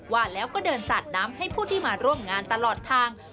ว่าแล้วก็เดินสาดน้ำให้ผู้ที่มาร่วมงานตลอดทาง